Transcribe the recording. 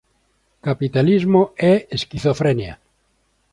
Capitalismo e esquizofrenia".